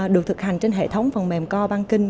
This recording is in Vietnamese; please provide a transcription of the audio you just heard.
được thực hành trên hệ thống phần mềm co băng kinh